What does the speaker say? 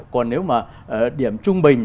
còn nếu mà điểm trung bình